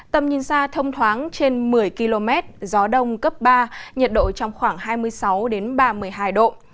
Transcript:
tầm nhìn xa thông thoáng trên một mươi km gió đông cấp ba nhiệt độ trong khoảng hai mươi sáu ba mươi hai độ